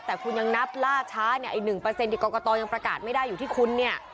แต่คุณยังนับล่าช้า๑ที่กรกฎอย่างประกาศไม่ได้อยู่ที่คุณ